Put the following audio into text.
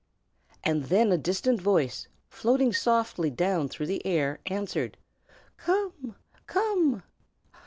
_" And then a distant voice, floating softly down through the air, answered, "Come! come!"